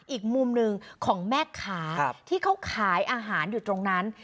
อีกมุมหนึ่งของแม่ค้าที่เขาขายอาหารอยู่ตรงนั้น